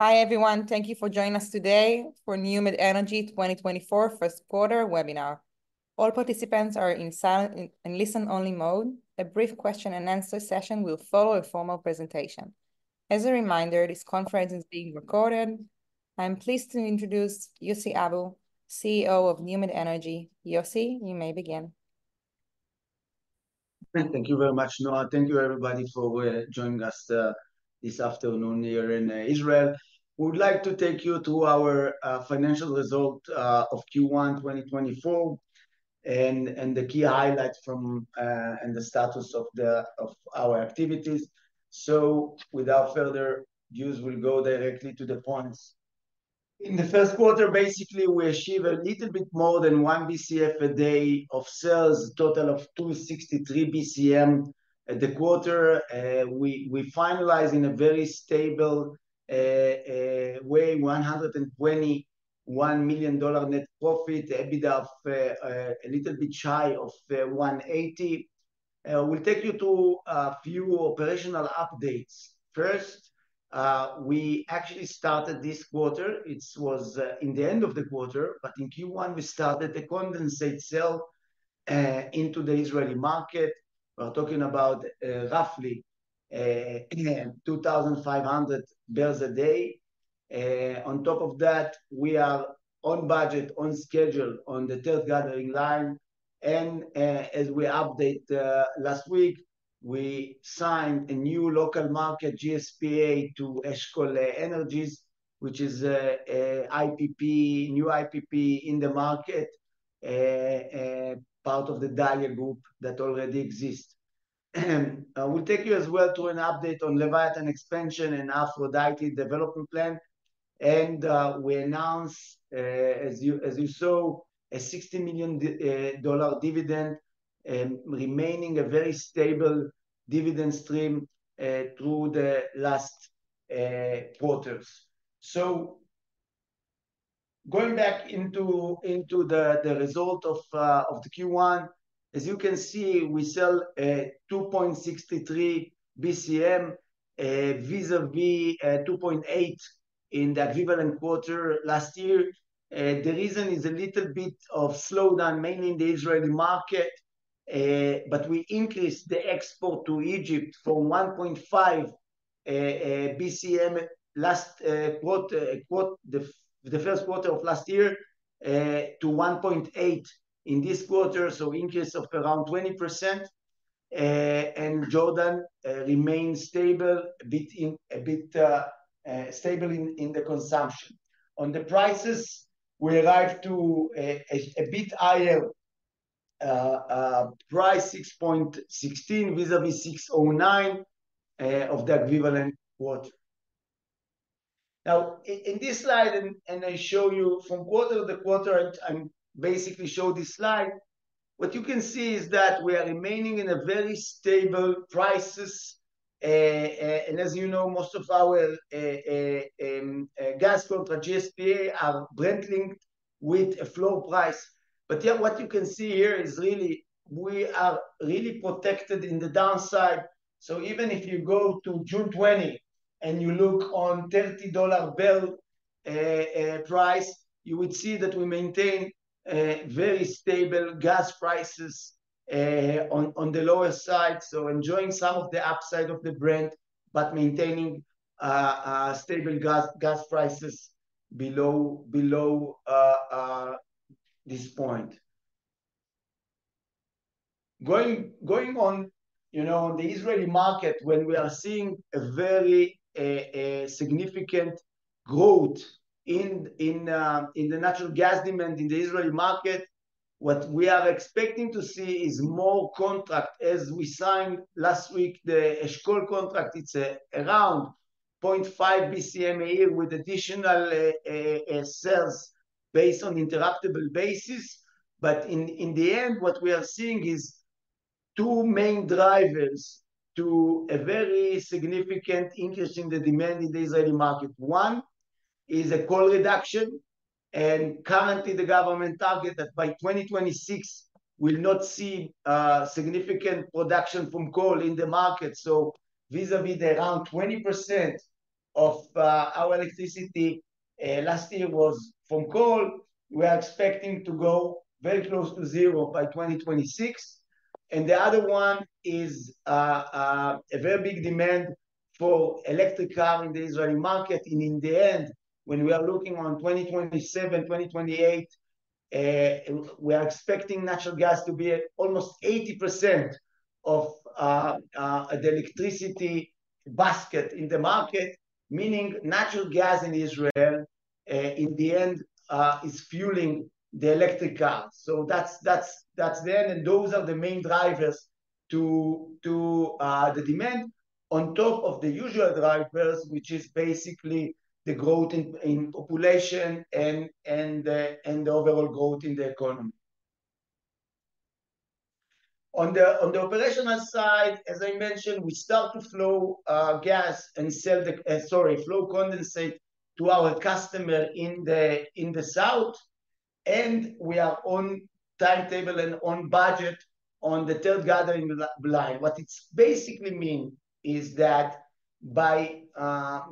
Hi, everyone. Thank you for joining us today for NewMed Energy 2024 first quarter webinar. All participants are in silent listen only mode. A brief question and answer session will follow a formal presentation. As a reminder, this conference is being recorded. I'm pleased to introduce Yossi Abu, CEO of NewMed Energy. Yossi, you may begin. Thank you very much, Guil. Thank you everybody, for joining us this afternoon here in Israel. We would like to take you through our financial result of Q1 2024, and, and the key highlights from, and the status of the, of our activities. So without further ado, we'll go directly to the points. In the first quarter, basically, we achieve a little bit more than 1 BCF a day of sales, a total of 2.63 BCM. At the quarter, we, we finalize in a very stable way, $121 million net profit, EBITDA of a little bit shy of $180. We'll take you to a few operational updates. First, we actually started this quarter, it was in the end of the quarter, but in Q1, we started the condensate sale into the Israeli market. We're talking about roughly 2,500 barrels a day. On top of that, we are on budget, on schedule, on the third gathering line, and as we update last week, we signed a new local market GSPA to Eshkol Energies, which is a IPP, new IPP in the market, part of the Dalia Group that already exists. I will take you as well to an update on Leviathan expansion and Aphrodite development plan, and we announce, as you saw, a $60 million dividend, remaining a very stable dividend stream through the last quarters. So going back into the result of the Q1, as you can see, we sell 2.63 BCM vis-a-vis 2.8 in that equivalent quarter last year. The reason is a little bit of slowdown, mainly in the Israeli market, but we increased the export to Egypt from 1.5 BCM in the first quarter of last year to 1.8 in this quarter, so increase of around 20%. And Jordan remains a bit stable in the consumption. On the prices, we arrived to a bit higher price, $6.16 vis-a-vis $6.09 of that equivalent quarter. Now, in this slide, and I show you from quarter to quarter, I'm basically show this slide, what you can see is that we are remaining in a very stable prices. And as you know, most of our gas contract GSPA are Brent linked with a floor price. But yet what you can see here is really we are really protected in the downside. So even if you go to June 2020, and you look on $30 barrel price, you would see that we maintain very stable gas prices on the lower side. So enjoying some of the upside of the Brent, but maintaining stable gas prices below this point. Going, going on, you know, the Israeli market, when we are seeing a very, significant growth in, in, the natural gas demand in the Israeli market, what we are expecting to see is more contract. As we signed last week, the Eshkol contract, it's around 0.5 BCMA with additional, sales based on interruptible basis. But in the end, what we are seeing is two main drivers to a very significant increase in the demand in the Israeli market. One is a coal reduction, and currently the government target that by 2026, we'll not see, significant production from coal in the market. So vis-a-vis the around 20% of, our electricity, last year was from coal, we are expecting to go very close to zero by 2026. The other one is a very big demand for electric car in the Israeli market. In the end, when we are looking on 2027, 2028, we are expecting natural gas to be at almost 80% of the electricity basket in the market, meaning natural gas in Israel, in the end, is fueling the electric cars. So that's, that's, that's then, and those are the main drivers to the demand on top of the usual drivers, which is basically the growth in population and the overall growth in the economy. On the operational side, as I mentioned, we start to flow, sorry, flow condensate to our customer in the south, and we are on timetable and on budget on the third gathering line. What it's basically mean is that by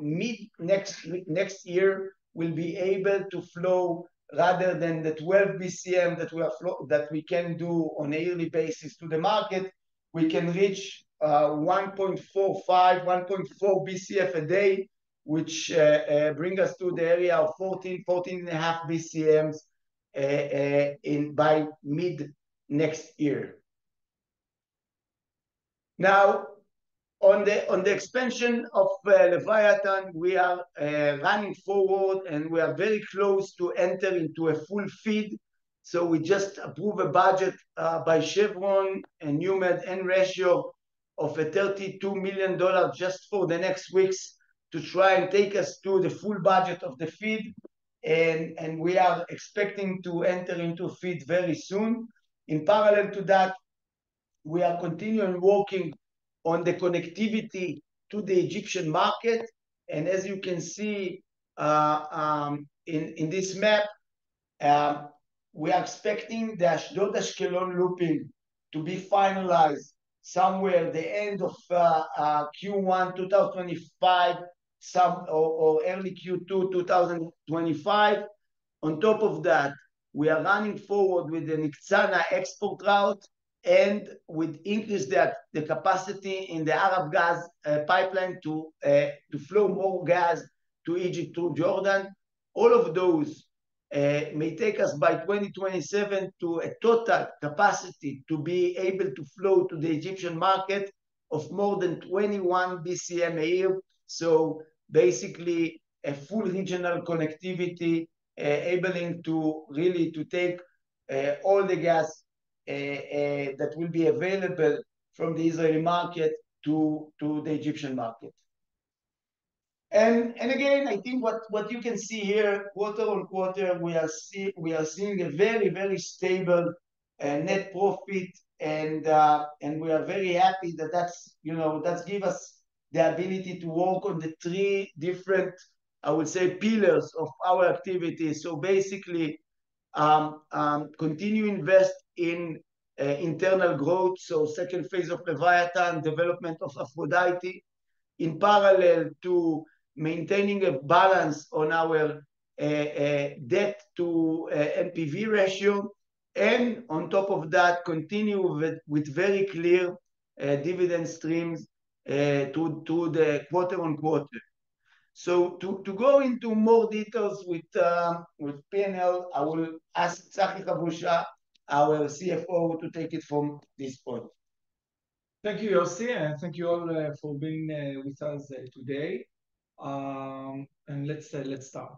mid next year, we'll be able to flow rather than the 12 BCM that we are flow, that we can do on a yearly basis to the market, we can reach 1.45, 1.4 BCF a day, which bring us to the area of 14-14.5 BCMs by mid next year. Now, on the expansion of Leviathan, we are running forward, and we are very close to entering into a full FEED. So we just approve a budget by Chevron and NewMed and Ratio of a $32 million just for the next weeks to try and take us to the full budget of the FEED, and we are expecting to enter into FEED very soon. In parallel to that, we are continuing working on the connectivity to the Egyptian market, and as you can see, in this map, we are expecting the Ashdod-Ashkelon looping to be finalized somewhere the end of Q1 2025, some or early Q2 2025. On top of that, we are running forward with the Nitzana export route, and we increase the capacity in the Arab Gas Pipeline to flow more gas to Egypt, to Jordan. All of those may take us by 2027 to a total capacity to be able to flow to the Egyptian market of more than 21 BCMA. So basically, a full regional connectivity, enabling to really to take all the gas that will be available from the Israeli market to the Egyptian market. I think what you can see here, quarter-on-quarter, we are seeing a very, very stable net profit, and we are very happy that that's, you know, that give us the ability to work on the three different, I would say, pillars of our activities. So basically, continue invest in internal growth, so second phase of Leviathan, development of Aphrodite, in parallel to maintaining a balance on our debt to NAV ratio, and on top of that, continue with very clear dividend streams to the quarter on quarter. So to go into more details with P&L, I will ask Tzachi Habusha, our CFO, to take it from this point. Thank you, Yossi, and thank you all for being with us today. Let's start.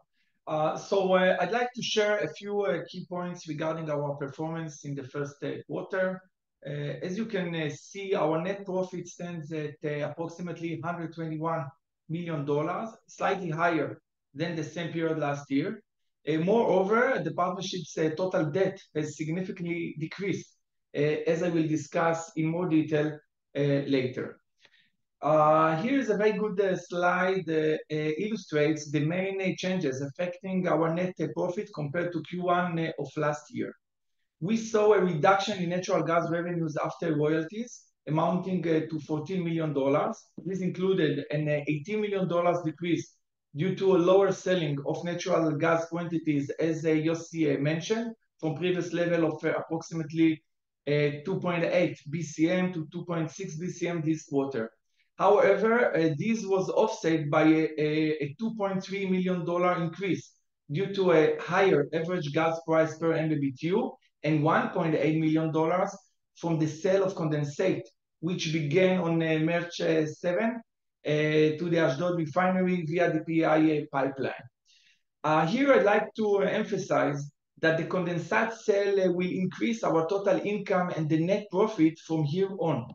I'd like to share a few key points regarding our performance in the first quarter. As you can see, our net profit stands at approximately $121 million, slightly higher than the same period last year. Moreover, the partnership's total debt has significantly decreased, as I will discuss in more detail later. Here is a very good slide illustrates the main changes affecting our net profit compared to Q1 of last year. We saw a reduction in natural gas revenues after royalties, amounting to $14 million. This included a $18 million decrease due to a lower selling of natural gas quantities, as Yossi mentioned, from previous level of approximately 2.8 BCM-2.6 BCM this quarter. However, this was offset by a $2.3 million increase due to a higher average gas price per MMBtu, and $1.8 million from the sale of condensate, which began on March 7 to the Ashdod Refinery via the EAPC pipeline. Here I'd like to emphasize that the condensate sale will increase our total income and the net profit from here on.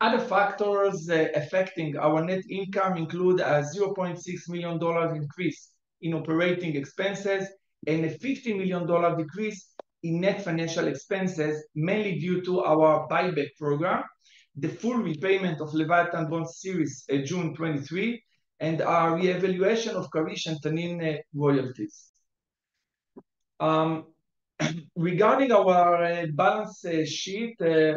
Other factors affecting our net income include a $0.6 million increase in operating expenses and a $50 million decrease in net financial expenses, mainly due to our buyback program, the full repayment of Leviathan bonds Series June 2023, and our reevaluation of Karish and Tanin royalties. Regarding our balance sheet, we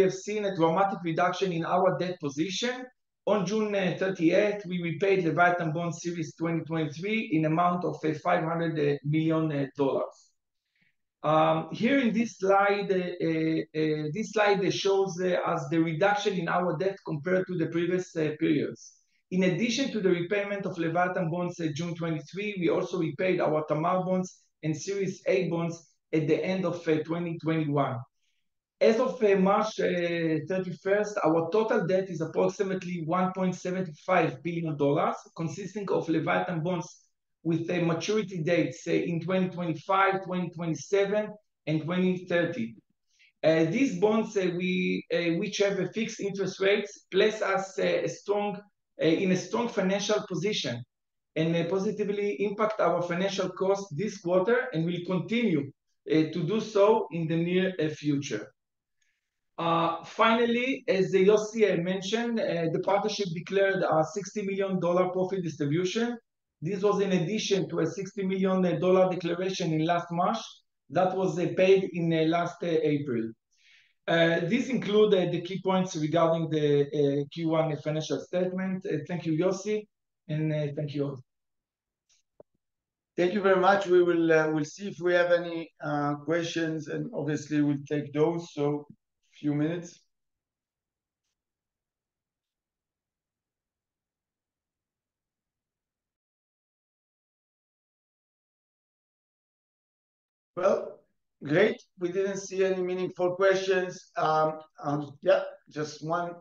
have seen a dramatic reduction in our debt position. On June 30, we repaid Leviathan bond Series 2023 in amount of $500 million. Here in this slide, this slide shows us the reduction in our debt compared to the previous periods. In addition to the repayment of Leviathan bonds, June 2023, we also repaid our Tamar bonds and Series A bonds at the end of 2021. As of March 31, our total debt is approximately $1.75 billion, consisting of Leviathan bonds with a maturity date, say, in 2025, 2027, and 2030. These bonds, which have fixed interest rates, place us in a strong financial position.... and positively impact our financial cost this quarter, and will continue to do so in the near future. Finally, as Yossi mentioned, the partnership declared a $60 million profit distribution. This was in addition to a $60 million declaration in last March, that was paid in last April. This include the key points regarding the Q1 financial statement. Thank you, Yossi, and thank you all. Thank you very much. We will, we'll see if we have any questions, and obviously we'll take those, so few minutes. Well, great, we didn't see any meaningful questions. Yeah, just one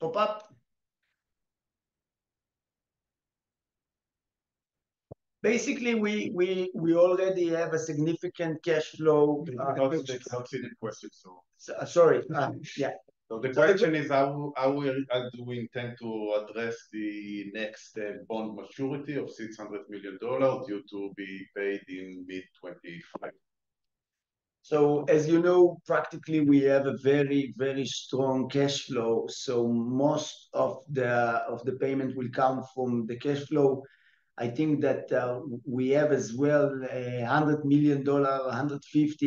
pop up. Basically, we already have a significant cash flow. That's actually the question, so. Sorry. Yeah. So the question is, how, how will... How do we intend to address the next bond maturity of $600 million due to be paid in mid-2025? So as you know, practically we have a very, very strong cash flow, so most of the payment will come from the cash flow. I think that we have as well $100 million,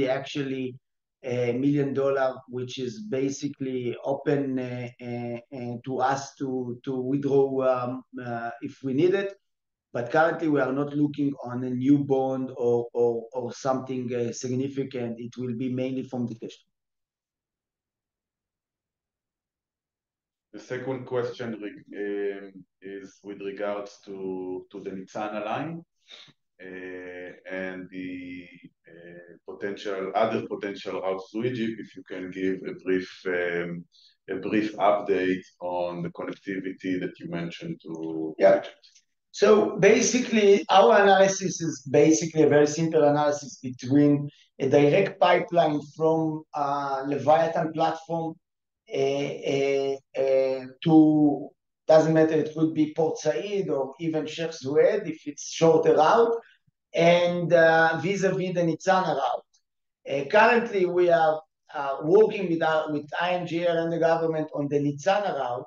actually $150 million, which is basically open to us to withdraw if we need it. But currently we are not looking on a new bond or something significant. It will be mainly from the cash flow. The second question is with regards to the Nitzana line and the potential other potential route to Egypt, if you can give a brief a brief update on the connectivity that you mentioned to- Yeah. So basically, our analysis is basically a very simple analysis between a direct pipeline from Leviathan platform to, doesn't matter, it could be Port Said or even Suez, if it's shorter route, and vis-a-vis the Nitzana route. Currently we are working with INGL and the government on the Nitzana route,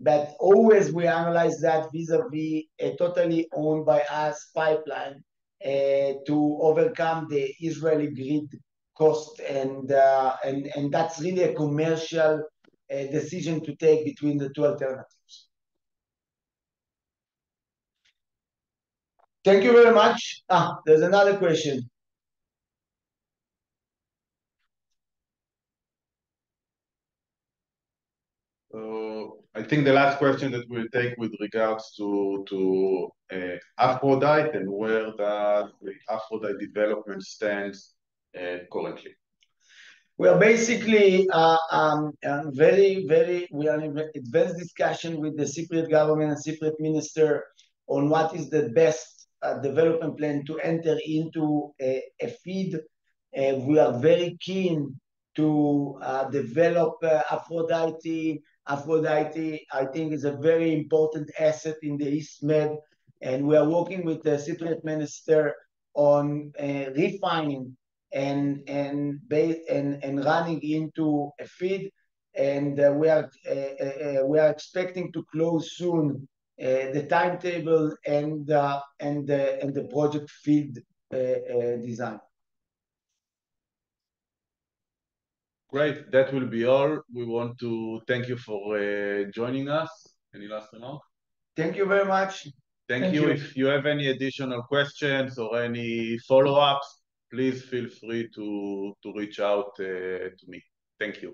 but always we analyze that vis-a-vis a totally owned by us pipeline to overcome the Israeli grid cost, and that's really a commercial decision to take between the two alternatives. Thank you very much. Ah, there's another question. So I think the last question that we'll take with regards to Aphrodite and where the Aphrodite development stands currently. Well, basically, very, very... We are in advanced discussion with the Cypriot government and Cypriot minister on what is the best development plan to enter into a FEED. We are very keen to develop Aphrodite. Aphrodite, I think, is a very important asset in the East Med, and we are working with the Cypriot minister on refining and running into a FEED. And we are expecting to close soon the timetable and the project FEED design. Great, that will be all. We want to thank you for joining us. Any last remarks? Thank you very much. Thank you. Thank you. If you have any additional questions or any follow-ups, please feel free to reach out to me. Thank you.